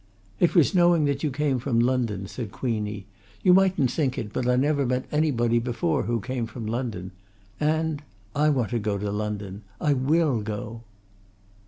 "It was knowing that you came from London," said Queenie. "You mightn't think it but I never met anybody before who came from London. And I want to go to London. I will go!"